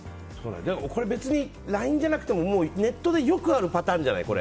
これ別にＬＩＮＥじゃなくてもネットでよくあるパターンじゃない。